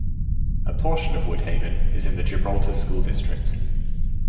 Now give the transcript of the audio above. A portion of Woodhaven is in the Gibraltar School District.